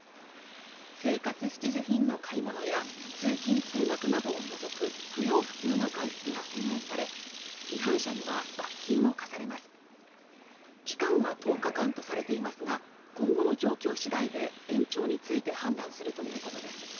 生活必需品の買い物や通勤通学などを除く不要不急の外出が制限され違反者には罰金も科されます期間は１０日間とされていますが今後の状況次第で延長について判断するということです